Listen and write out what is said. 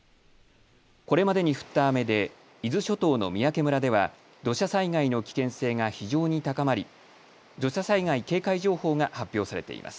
これまでに降った雨で伊豆諸島の三宅村では土砂災害の危険性が非常に高まり土砂災害警戒情報が発表されています。